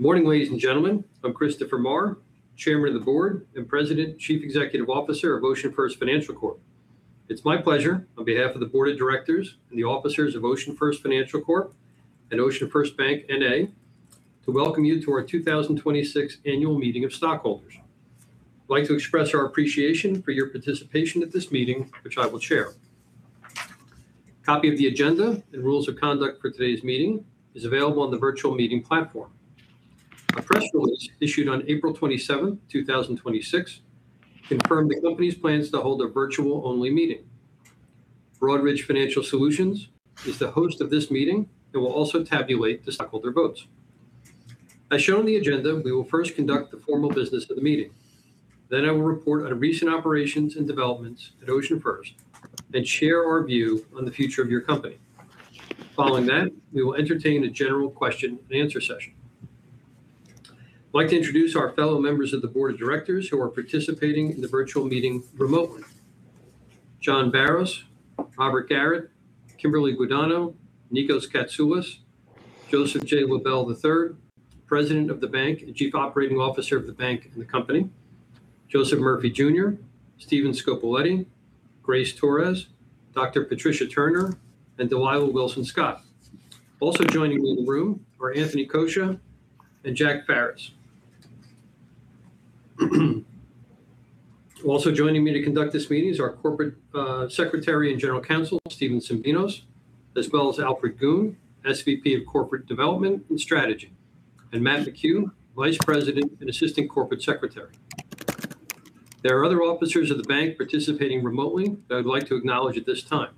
Good morning, ladies and gentlemen. I'm Christopher Maher, Chairman of the Board and President and Chief Executive Officer of OceanFirst Financial Corp. It's my pleasure, on behalf of the Board of Directors and the officers of OceanFirst Financial Corp. and OceanFirst Bank, N.A., to welcome you to our 2026 annual meeting of stockholders. I'd like to express our appreciation for your participation at this meeting, which I will chair. A copy of the agenda and rules of conduct for today's meeting is available on the virtual meeting platform. A press release issued on April 27th, 2026, confirmed the company's plans to hold a virtual-only meeting. Broadridge Financial Solutions is the host of this meeting. It will also tabulate the stockholder votes. As shown on the agenda, we will first conduct the formal business of the meeting. I will report on recent operations and developments at OceanFirst and share our view on the future of your company. Following that, we will entertain a general question and answer session. I'd like to introduce our fellow members of the Board of Directors who are participating in the virtual meeting remotely. John Barros, Robert Garrett, Kimberly Guadagno, Nicos Katsoulis, Joseph J. Lebel III, President of the Bank and Chief Operating Officer of the Bank and the Company, Joseph Murphy Jr., Steven M. Scopellite, Grace Torres, Dr. Patricia Turner, and Dalila Wilson-Scott. Also joining me in the room are Anthony Coscia and Jack M. Farris. Also joining me to conduct this meeting is our Corporate Secretary and General Counsel, Steven Tsimbinos, as well as Alfred Goon, SVP of Corporate Development and Strategy, and Matt McHugh, Vice President and Assistant Corporate Secretary. There are other officers of the bank participating remotely that I'd like to acknowledge at this time.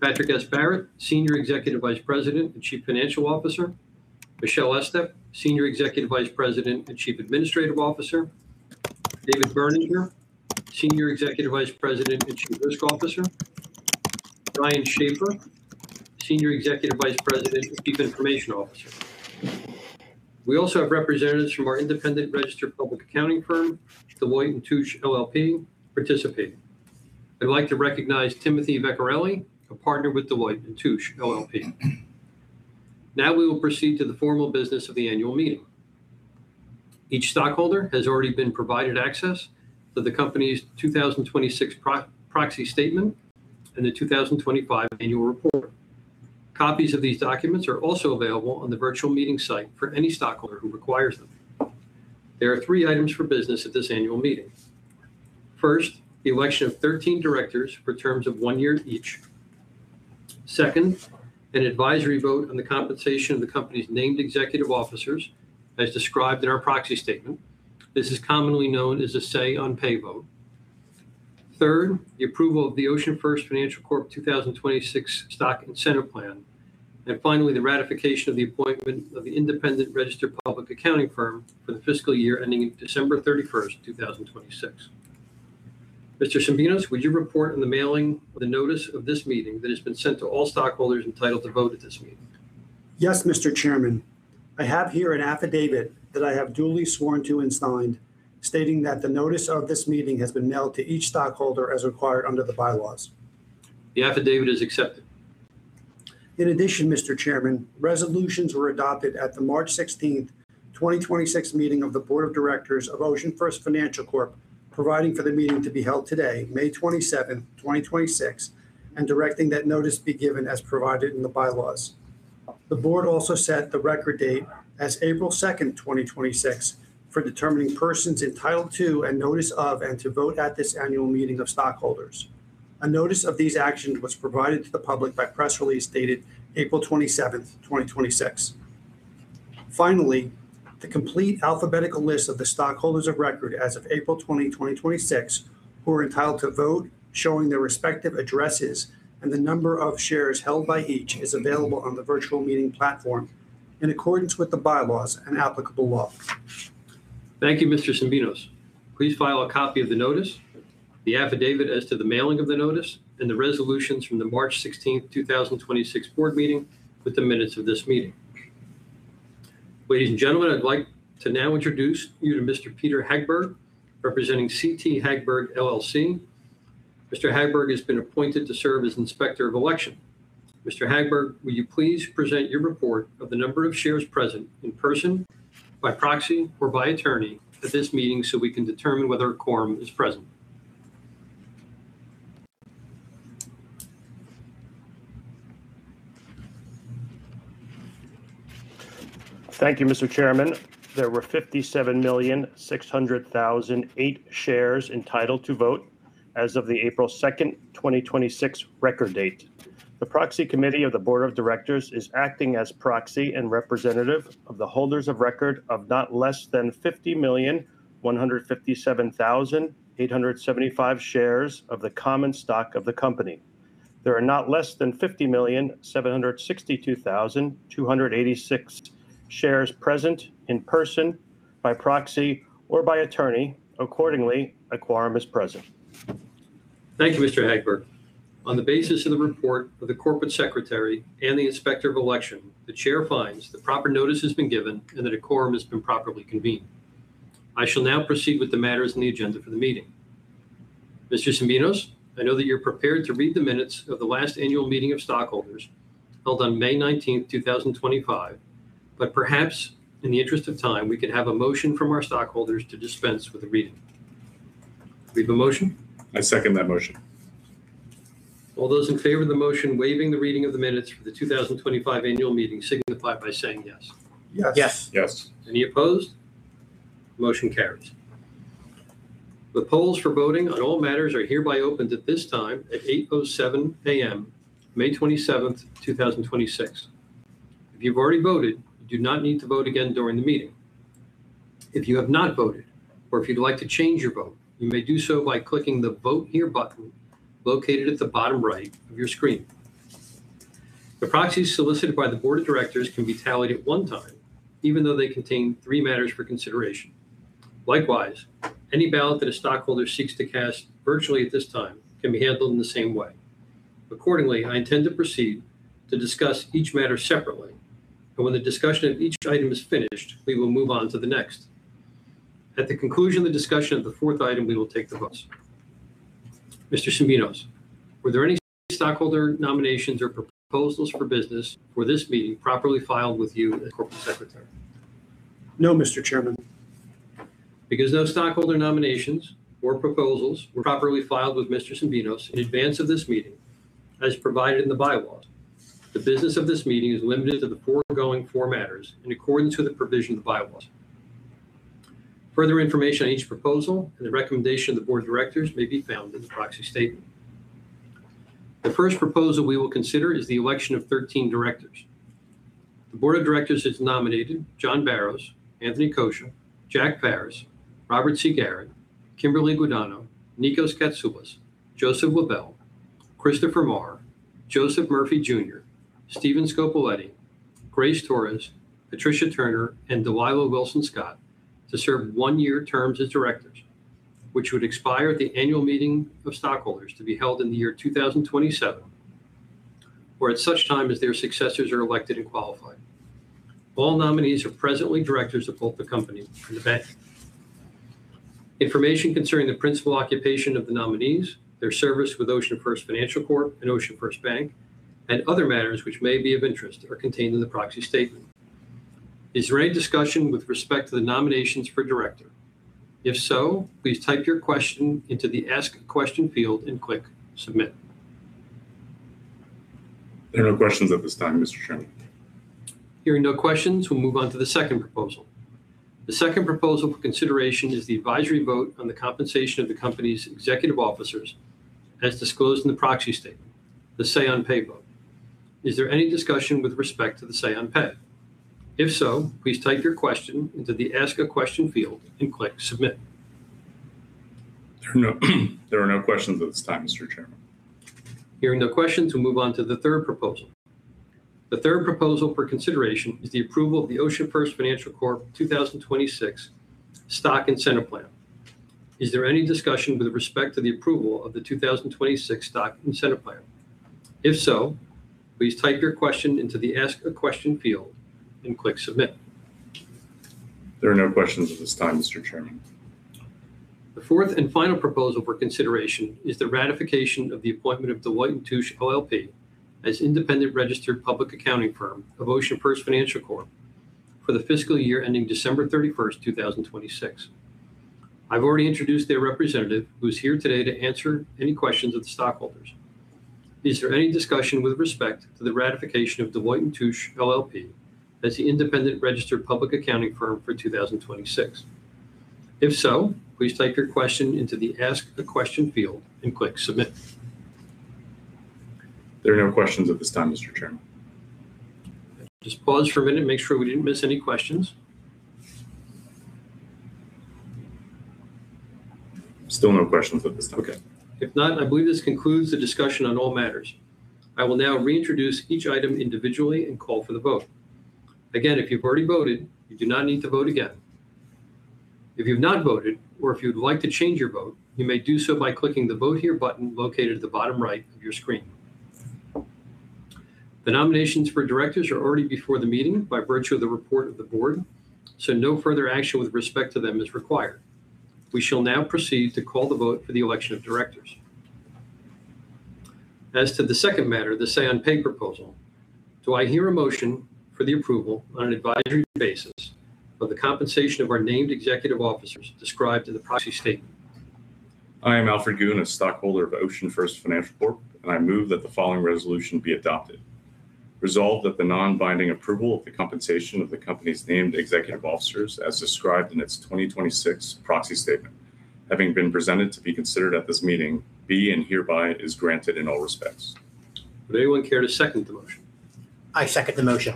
Patrick S. Barrett, Senior Executive Vice President and Chief Financial Officer. Michele Estep, Senior Executive Vice President and Chief Administrative Officer. David Berninger, Senior Executive Vice President and Chief Risk Officer. Brian Schaeffer, Senior Executive Vice President and Chief Information Officer. We also have representatives from our independent registered public accounting firm, Deloitte & Touche LLP, participating. I'd like to recognize Timothy Vecchiarelli, a partner with Deloitte & Touche LLP. Now we will proceed to the formal business of the annual meeting. Each stockholder has already been provided access to the company's 2026 proxy statement and the 2025 annual report. Copies of these documents are also available on the virtual meeting site for any stockholder who requires them. There are three items for business at this annual meeting. First, the election of 13 directors for terms of one year each. Second, an advisory vote on the compensation of the company's named executive officers, as described in our proxy statement. This is commonly known as a say on pay vote. Third, the approval of the OceanFirst Financial Corp. 2026 Stock Incentive Plan. Finally, the ratification of the appointment of the independent registered public accounting firm for the fiscal year ending December 31st, 2026. Mr. Tsimbinos, would you report on the mailing of the notice of this meeting that has been sent to all stockholders entitled to vote at this meeting? Yes, Mr. Chairman. I have here an affidavit that I have duly sworn to and signed, stating that the notice of this meeting has been mailed to each stockholder as required under the bylaws. The affidavit is accepted. In addition, Mr. Chairman, resolutions were adopted at the March 16th, 2026, meeting of the Board of Directors of OceanFirst Financial Corp., providing for the meeting to be held today, May 27th, 2026, and directing that notice be given as provided in the bylaws. The board also set the record date as April 2nd, 2026, for determining persons entitled to and notice of and to vote at this annual meeting of stockholders. A notice of these actions was provided to the public by press release dated April 27th, 2026. Finally, the complete alphabetical list of the stockholders of record as of April 20, 2026, who are entitled to vote, showing their respective addresses and the number of shares held by each, is available on the virtual meeting platform in accordance with the bylaws and applicable law. Thank you, Mr. Tsimbinos. Please file a copy of the notice, the affidavit as to the mailing of the notice, and the resolutions from the March 16th, 2026, board meeting with the minutes of this meeting. Ladies and gentlemen, I'd like to now introduce you to Mr. Peder Hagberg, representing CT Hagberg LLC. Mr. Hagberg has been appointed to serve as Inspector of Election. Mr. Hagberg, will you please present your report of the number of shares present in person, by proxy, or by attorney at this meeting so we can determine whether a quorum is present? Thank you, Mr. Chairman. There were 57,600,008 shares entitled to vote as of the April 2nd, 2026, record date. The Proxy Committee of the Board of Directors is acting as proxy and representative of the holders of record of not less than 50,157,875 shares of the common stock of the company. There are not less than 50,762,286 shares present in person, by proxy, or by attorney. Accordingly, a quorum is present. Thank you, Mr. Hagberg. On the basis of the report of the corporate secretary and the Inspector of Election, the Chair finds that proper notice has been given and that a quorum has been properly convened. I shall now proceed with the matters on the agenda for the meeting. Mr. Tsimbinos, I know that you're prepared to read the minutes of the last annual meeting of stockholders held on May 19, 2025, perhaps in the interest of time, we could have a motion from our stockholders to dispense with the reading. Do we have a motion? I second that motion. All those in favor of the motion waiving the reading of the minutes for the 2025 annual meeting signify by saying yes. Yes. Yes. Any opposed? Motion carries. The polls for voting on all matters are hereby opened at this time, at 8:07 AM, May 27th, 2026. If you've already voted, you do not need to vote again during the meeting. If you have not voted, or if you'd like to change your vote, you may do so by clicking the Vote Here button located at the bottom right of your screen. The proxies solicited by the board of directors can be tallied at one time, even though they contain three matters for consideration. Any ballot that a stockholder seeks to cast virtually at this time can be handled in the same way. I intend to proceed to discuss each matter separately, and when the discussion of each item is finished, we will move on to the next. At the conclusion of the discussion of the fourth item, we will take the votes. Mr. Tsimbinos, were there any stockholder nominations or proposals for business for this meeting properly filed with you as Corporate Secretary? No, Mr. Chairman. Because no stockholder nominations or proposals were properly filed with Mr. Tsimbinos in advance of this meeting, as provided in the bylaws, the business of this meeting is limited to the foregoing four matters and according to the provision of the bylaws. Further information on each proposal and the recommendation of the board of directors may be found in the proxy statement. The first proposal we will consider is the election of 13 directors. The board of directors has nominated John Barros, Anthony Coscia, Jack Farris, Robert C. Garrett, Kimberly Guadagno, Nicos Katsoulis, Joseph Lebel III, Christopher D. Maher, Joseph Murphy Jr., Steven Scopellite, Grace Torres, Patricia Turner, and Dalila Wilson-Scott to serve one-year terms as directors, which would expire at the annual meeting of stockholders to be held in the year 2027 or at such time as their successors are elected and qualified. All nominees are presently directors of both the company and the bank. Information concerning the principal occupation of the nominees, their service with OceanFirst Financial Corp. and OceanFirst Bank, and other matters which may be of interest are contained in the proxy statement. Is there any discussion with respect to the nominations for director? If so, please type your question into the Ask a Question field and click Submit. There are no questions at this time, Mr. Chairman. Hearing no questions, we'll move on to the second proposal. The second proposal for consideration is the advisory vote on the compensation of the company's executive officers as disclosed in the proxy statement, the say on pay vote. Is there any discussion with respect to the say on pay? If so, please type your question into the Ask a Question field and click Submit. There are no questions at this time, Mr. Chairman. Hearing no questions, we'll move on to the third proposal. The third proposal for consideration is the approval of the OceanFirst Financial Corp. 2026 Stock Incentive Plan. Is there any discussion with respect to the approval of the 2026 Stock Incentive Plan? If so, please type your question into the Ask a Question field and click Submit. There are no questions at this time, Mr. Chairman. The fourth and final proposal for consideration is the ratification of the appointment of Deloitte & Touche LLP as independent registered public accounting firm of OceanFirst Financial Corp for the fiscal year ending December 31st, 2026. I've already introduced their representative, who's here today to answer any questions of the stockholders. Is there any discussion with respect to the ratification of Deloitte & Touche LLP as the independent registered public accounting firm for 2026? If so, please type your question into the Ask a Question field and click Submit. There are no questions at this time, Mr. Chairman. Just pause for a minute, make sure we didn't miss any questions. Still no questions at this time. Okay. If not, I believe this concludes the discussion on all matters. I will now reintroduce each item individually and call for the vote. Again, if you've already voted, you do not need to vote again. If you've not voted, or if you'd like to change your vote, you may do so by clicking the Vote Here button located at the bottom right of your screen. The nominations for directors are already before the meeting by virtue of the report of the board, so no further action with respect to them is required. We shall now proceed to call the vote for the election of directors. As to the second matter, the say on pay proposal, do I hear a motion for the approval on an advisory basis for the compensation of our named executive officers described in the proxy statement? I am Alfred Goon, a stockholder of OceanFirst Financial Corp, and I move that the following resolution be adopted. Resolved that the non-binding approval of the compensation of the company's named executive officers as described in its 2026 proxy statement, having been presented to be considered at this meeting, be and hereby is granted in all respects. Would anyone care to second the motion? I second the motion.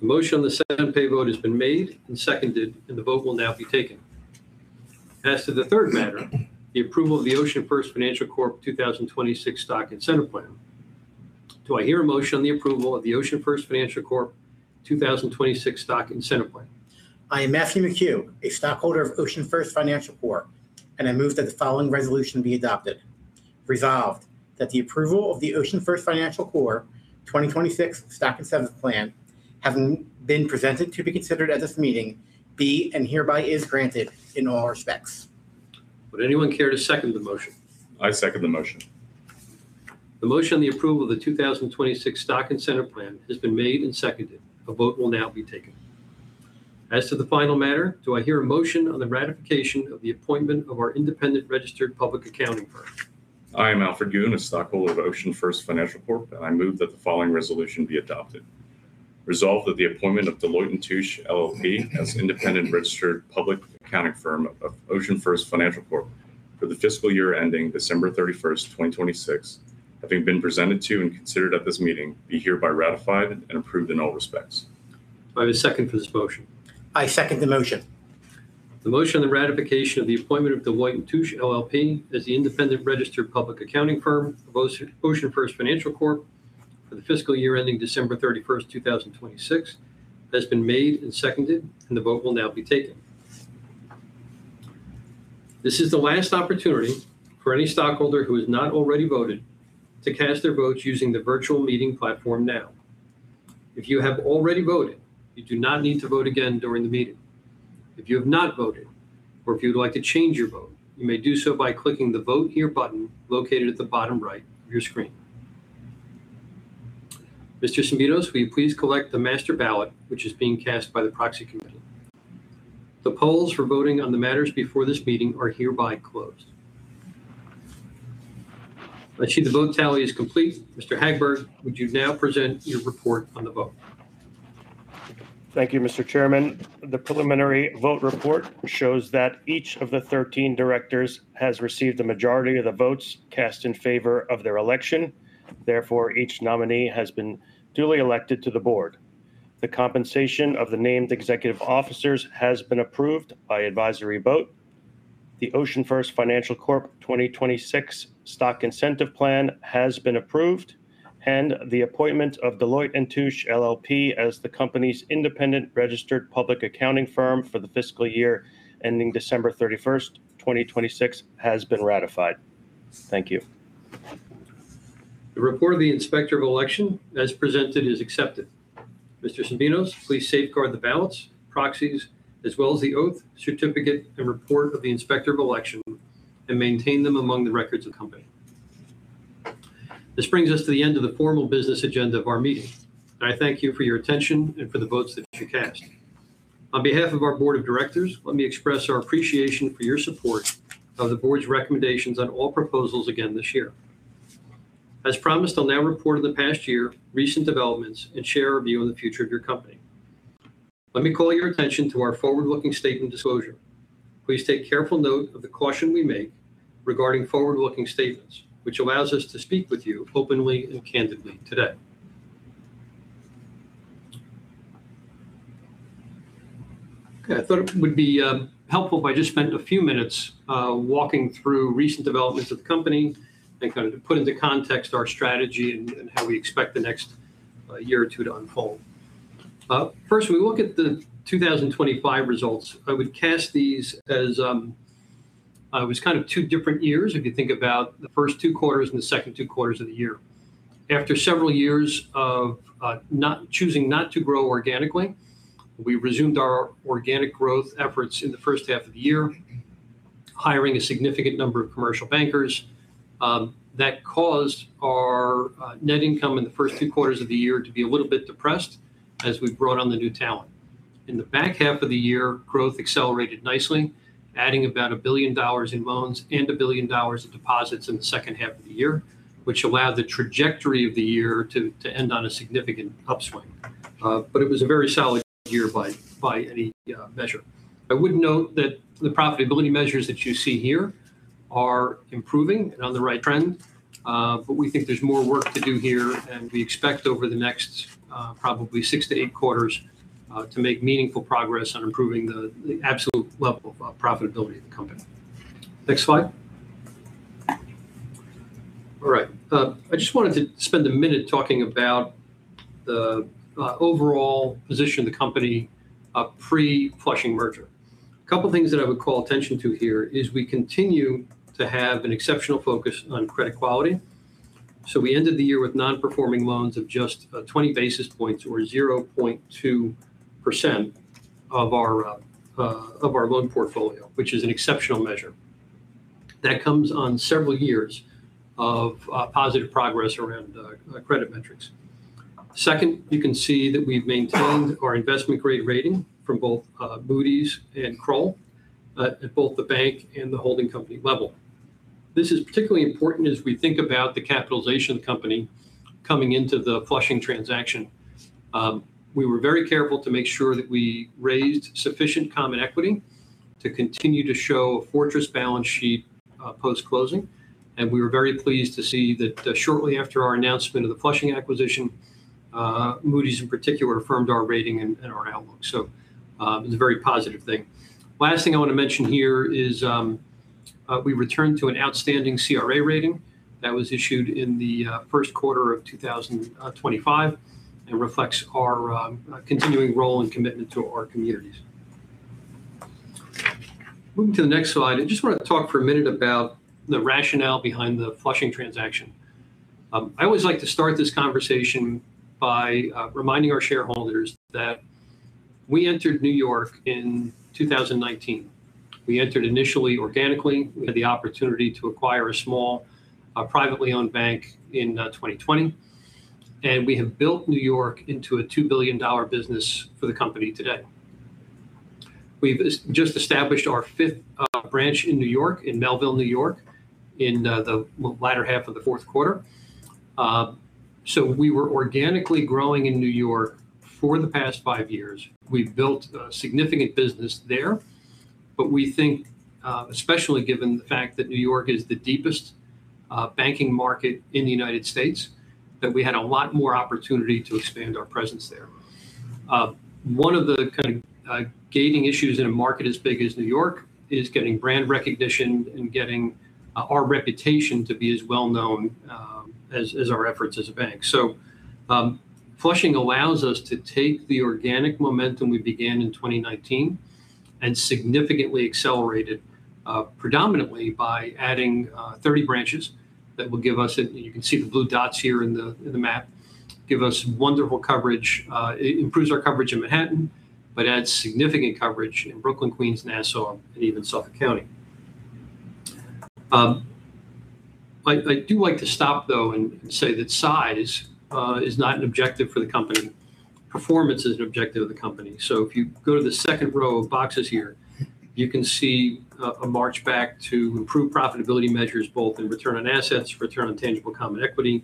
The motion on the say on pay vote has been made and seconded, and the vote will now be taken. As to the third matter, the approval of the OceanFirst Financial Corp. 2026 Stock Incentive Plan, do I hear a motion on the approval of the OceanFirst Financial Corp. 2026 Stock Incentive Plan? I am Matthew McHugh, a stockholder of OceanFirst Financial Corp, and I move that the following resolution be adopted. Resolved that the approval of the OceanFirst Financial Corp. 2026 Stock Incentive Plan, having been presented to be considered at this meeting, be and hereby is granted in all respects. Would anyone care to second the motion? I second the motion. The motion on the approval of the 2026 Stock Incentive Plan has been made and seconded. A vote will now be taken. As to the final matter, do I hear a motion on the ratification of the appointment of our independent registered public accounting firm? I am Alfred Goon, a stockholder of OceanFirst Financial Corp. I move that the following resolution be adopted. Resolved that the appointment of Deloitte & Touche LLP as independent registered public accounting firm of OceanFirst Financial Corp for the fiscal year ending December 31st 2026, having been presented to and considered at this meeting, be hereby ratified and approved in all respects. Do I have a second for this motion? I second the motion. The motion on the ratification of the appointment of Deloitte & Touche LLP as the independent registered public accounting firm of OceanFirst Financial Corp for the fiscal year ending December 31st 2026 has been made and seconded, and the vote will now be taken. This is the last opportunity for any stockholder who has not already voted to cast their votes using the virtual meeting platform now. If you have already voted, you do not need to vote again during the meeting. If you have not voted, or if you would like to change your vote, you may do so by clicking the Vote Here button located at the bottom right of your screen. Mr. Tsimbinos, will you please collect the master ballot, which is being cast by the Proxy Committee. The polls for voting on the matters before this meeting are hereby closed. I see the vote tally is complete. Mr. Hagberg, would you now present your report on the vote? Thank you, Mr. Chairman. The preliminary vote report shows that each of the 13 directors has received a majority of the votes cast in favor of their election. Therefore, each nominee has been duly elected to the board. The compensation of the named executive officers has been approved by advisory vote. The OceanFirst Financial Corp. 2026 Stock Incentive Plan has been approved, and the appointment of Deloitte & Touche LLP as the company's independent registered public accounting firm for the fiscal year ending December 31st 2026 has been ratified. Thank you. The report of the Inspector of Election as presented is accepted. Mr. Tsimbinos, please safeguard the ballots, proxies, as well as the oath, certificate, and report of the Inspector of Election, and maintain them among the records of the company. This brings us to the end of the formal business agenda of our meeting, and I thank you for your attention and for the votes that you cast. On behalf of our board of directors, let me express our appreciation for your support of the board's recommendations on all proposals again this year. As promised, I'll now report on the past year, recent developments, and share our view on the future of your company. Let me call your attention to our forward-looking statement disclosure. Please take careful note of the caution we make regarding forward-looking statements, which allows us to speak with you openly and candidly today. Okay. I thought it would be helpful if I just spent a few minutes walking through recent developments of the company and kind of put into context our strategy and how we expect the next year or two to unfold. First, we look at the 2025 results. I would cast these as kind of two different years if you think about the first two quarters and the second two quarters of the year. After several years of choosing not to grow organically, we resumed our organic growth efforts in the first half of the year, hiring a significant number of commercial bankers. That caused our net income in the first two quarters of the year to be a little bit depressed as we brought on the new talent. In the back half of the year, growth accelerated nicely, adding about $1 billion in loans and $1 billion of deposits in the second half of the year, which allowed the trajectory of the year to end on a significant upswing. It was a very solid year by any measure. I would note that the profitability measures that you see here are improving and on the right trend. We think there's more work to do here, and we expect over the next probably six to eight quarters to make meaningful progress on improving the absolute level of profitability of the company. Next slide. All right. I just wanted to spend a minute talking about the overall position of the company pre-Flushing merger. A couple things that I would call attention to here is we continue to have an exceptional focus on credit quality. We ended the year with non-performing loans of just 20 basis points or 0.2% of our loan portfolio, which is an exceptional measure. That comes on several years of positive progress around credit metrics. Second, you can see that we've maintained our investment-grade rating from both Moody's and Kroll at both the bank and the holding company level. This is particularly important as we think about the capitalization of the company coming into the Flushing transaction. We were very careful to make sure that we raised sufficient common equity to continue to show a fortress balance sheet post-closing, and we were very pleased to see that shortly after our announcement of the Flushing acquisition, Moody's in particular affirmed our rating and our outlook. It was a very positive thing. Last thing I want to mention here is we returned to an outstanding CRA rating that was issued in the first quarter of 2025. It reflects our continuing role and commitment to our communities. Moving to the next slide. I just want to talk for a minute about the rationale behind the Flushing transaction. I always like to start this conversation by reminding our shareholders that we entered New York in 2019. We entered initially organically. We had the opportunity to acquire a small privately owned bank in 2020, and we have built New York into a $2 billion business for the company today. We've just established our fifth branch in New York, in Melville, New York, in the latter half of the fourth quarter. We were organically growing in New York for the past five years. We've built a significant business there. We think, especially given the fact that New York is the deepest banking market in the United States, that we had a lot more opportunity to expand our presence there. One of the gating issues in a market as big as New York is getting brand recognition and getting our reputation to be as well known as our efforts as a bank. Flushing allows us to take the organic momentum we began in 2019 and significantly accelerate it predominantly by adding 30 branches. That will give us, and you can see the blue dots here in the map, give us wonderful coverage. It improves our coverage in Manhattan, but adds significant coverage in Brooklyn, Queens, Nassau, and even Suffolk County. I do like to stop though and say that size is not an objective for the company. Performance is an objective of the company. If you go to the second row of boxes here, you can see a march back to improved profitability measures both in return on assets, return on tangible common equity,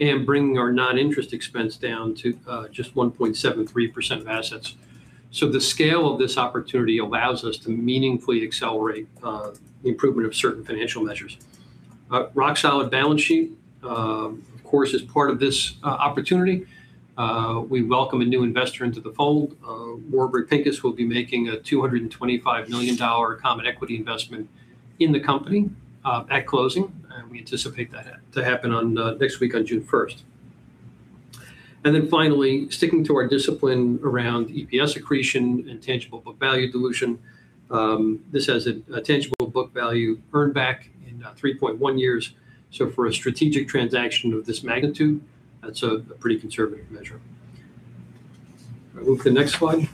and bringing our non-interest expense down to just 1.73% of assets. The scale of this opportunity allows us to meaningfully accelerate the improvement of certain financial measures. A rock-solid balance sheet, of course, is part of this opportunity. We welcome a new investor into the fold. Warburg Pincus will be making a $225 million common equity investment in the company at closing, and we anticipate that to happen next week on June 1st. Finally, sticking to our discipline around EPS accretion and tangible book value dilution. This has a tangible book value earnback in 3.1 years. For a strategic transaction of this magnitude, that's a pretty conservative measure. Move to the next slide.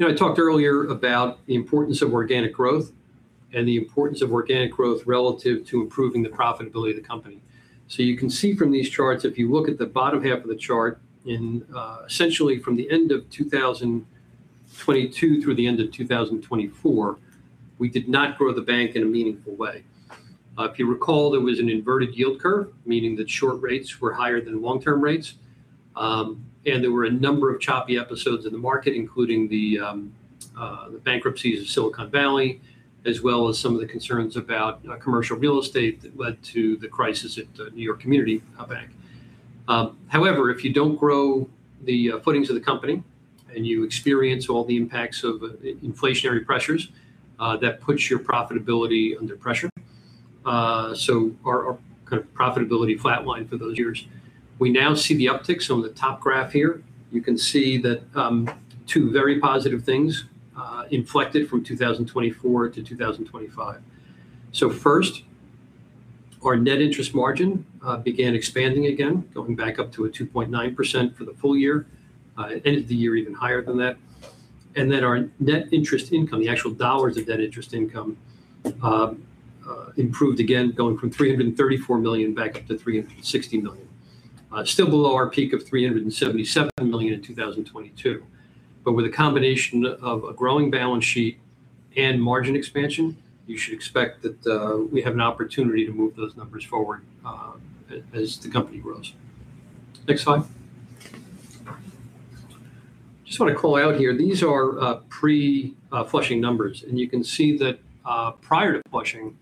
I talked earlier about the importance of organic growth and the importance of organic growth relative to improving the profitability of the company. You can see from these charts, if you look at the bottom half of the chart, essentially from the end of 2022 through the end of 2024, we did not grow the bank in a meaningful way. If you recall, there was an inverted yield curve, meaning that short rates were higher than long-term rates. There were a number of choppy episodes in the market, including the bankruptcies of Silicon Valley, as well as some of the concerns about commercial real estate that led to the crisis at New York Community Bank. If you don't grow the footings of the company and you experience all the impacts of inflationary pressures, that puts your profitability under pressure. Our profitability flat-lined for those years. We now see the upticks on the top graph here. You can see that two very positive things inflected from 2024-2025. First, our net interest margin began expanding again, going back up to a 2.9% for the full year. It ended the year even higher than that. Our net interest income, the actual dollars of net interest income, improved again, going from $334 million back up to $360 million. Still below our peak of $377 million in 2022. With a combination of a growing balance sheet and margin expansion, you should expect that we have an opportunity to move those numbers forward as the company grows. Next slide. Just want to call out here, these are pre-Flushing numbers, and you can see that prior to Flushing,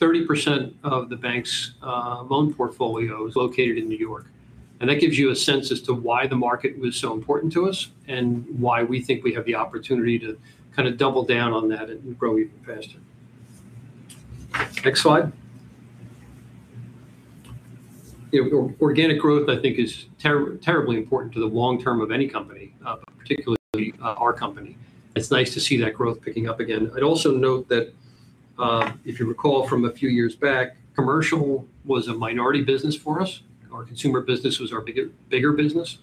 30% of the bank's loan portfolio is located in New York. That gives you a sense as to why the market was so important to us and why we think we have the opportunity to double down on that and grow even faster. Next slide. Organic growth, I think, is terribly important to the long term of any company, but particularly our company. It's nice to see that growth picking up again. I'd also note that if you recall from a few years back, commercial was a minority business for us. Our consumer business was our bigger business.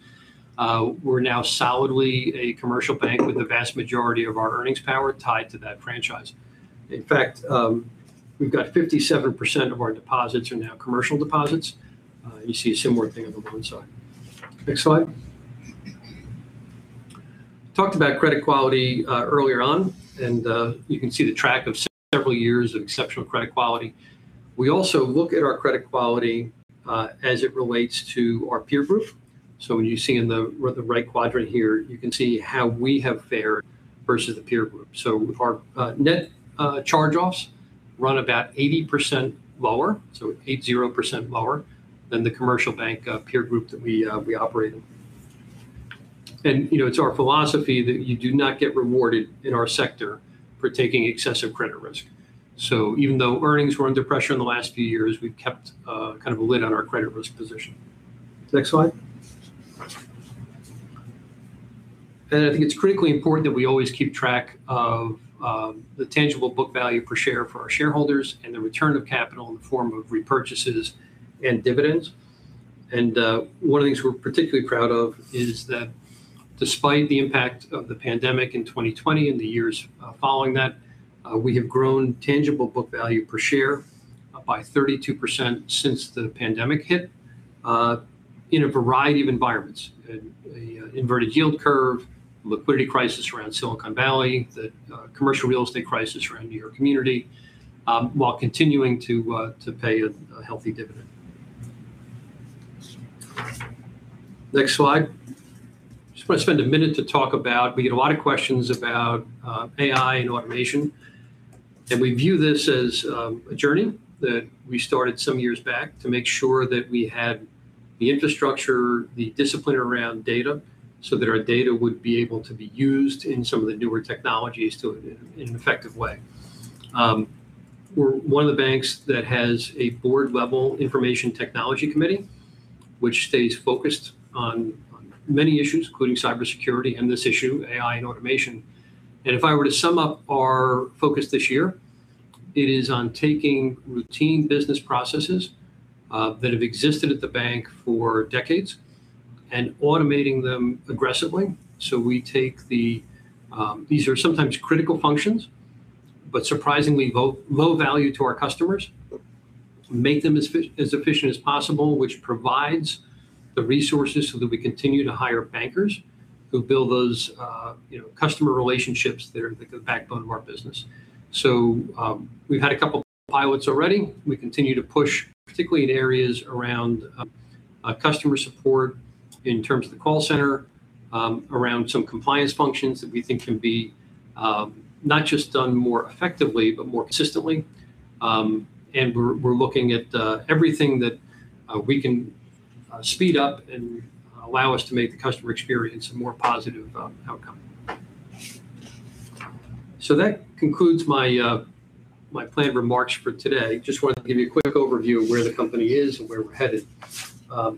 We're now solidly a commercial bank with the vast majority of our earnings power tied to that franchise. In fact, we've got 57% of our deposits are now commercial deposits. You see a similar thing on the loan side. Next slide. Talked about credit quality earlier on. You can see the track of several years of exceptional credit quality. We also look at our credit quality as it relates to our peer group. When you see in the right quadrant here, you can see how we have fared versus the peer group. Our net charge-offs run about 80% lower, 80% lower than the commercial bank peer group that we operate in. It's our philosophy that you do not get rewarded in our sector for taking excessive credit risk. Even though earnings were under pressure in the last few years, we've kept a lid on our credit risk position. Next slide. I think it's critically important that we always keep track of the tangible book value per share for our shareholders, and the return of capital in the form of repurchases and dividends. One of the things we're particularly proud of is that despite the impact of the pandemic in 2020 and the years following that, we have grown tangible book value per share by 32% since the pandemic hit, in a variety of environments. An inverted yield curve, liquidity crisis around Silicon Valley, the commercial real estate crisis around New York Community, while continuing to pay a healthy dividend. Next slide. Just want to spend a minute to talk about, we get a lot of questions about AI and automation. We view this as a journey that we started some years back to make sure that we had the infrastructure, the discipline around data, so that our data would be able to be used in some of the newer technologies in an effective way. We're one of the banks that has a board-level information technology committee, which stays focused on many issues, including cybersecurity and this issue, AI and automation. If I were to sum up our focus this year, it is on taking routine business processes that have existed at the bank for decades and automating them aggressively. These are sometimes critical functions, but surprisingly low value to our customers. Make them as efficient as possible, which provides the resources so that we continue to hire bankers who build those customer relationships that are the backbone of our business. We've had a couple pilots already. We continue to push, particularly in areas around customer support in terms of the call center, around some compliance functions that we think can be not just done more effectively, but more consistently. We're looking at everything that we can speed up and allow us to make the customer experience a more positive outcome. That concludes my planned remarks for today. Just wanted to give you a quick overview of where the company is and where we're headed. I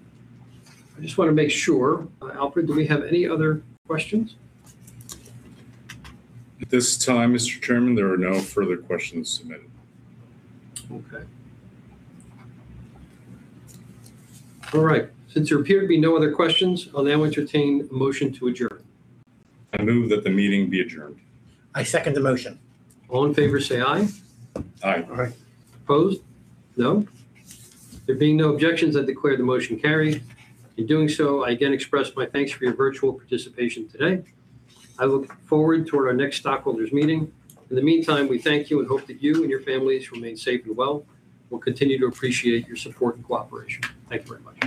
just want to make sure, Alfred, do we have any other questions? At this time, Mr. Chairman, there are no further questions submitted. Okay. All right. Since there appear to be no other questions, I'll now entertain a motion to adjourn. I move that the meeting be adjourned. I second the motion. All in favor say aye. Aye. Aye. Opposed? No? There being no objections, I declare the motion carried. In doing so, I again express my thanks for your virtual participation today. I look forward toward our next stockholders meeting. In the meantime, we thank you and hope that you and your families remain safe and well. We'll continue to appreciate your support and cooperation. Thank you very much.